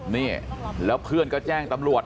นี่แล้วเพื่อนก็แจ้งตำรวจ